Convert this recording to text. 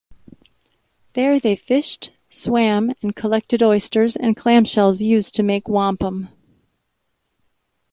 There they fished, swam and collected oysters and clamshells used to make wampum.